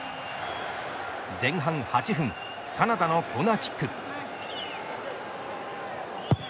前半８分カナダのコーナーキック。